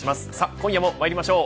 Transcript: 今夜もまいりましょう。